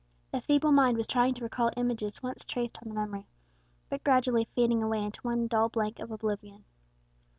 The feeble mind was trying to recall images once traced on the memory, but gradually fading away into one dull blank of oblivion.